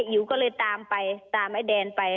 อิ๋วก็เลยตามไปตามไอ้แดนไป